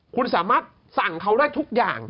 คุณสามารถสั่งเขาได้ทุกอย่าง